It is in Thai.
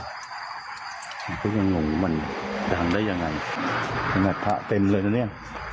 ผมก็ยังงงว่ามันดังได้อย่างไรมันหนัดผ้าเต็มเลยนะเนี่ย